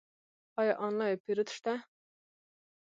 آیا آنلاین پیرود شته؟